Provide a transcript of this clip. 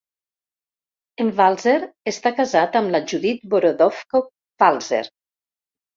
En Walzer està casat amb la Judith Borodovko Walzer.